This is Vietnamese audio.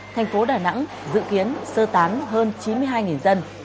thành phố đà nẵng dự kiến sơ tán hơn chín mươi hai dân